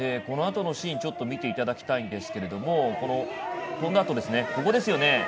このあとのシーンちょっと見ていただきたいんですがとんだあとですね